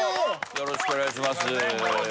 よろしくお願いします